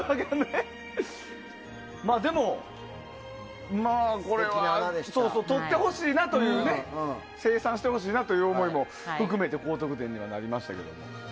でも、とってほしいなという清算してほしいなという思いも含めて高得点にはなりましたけど。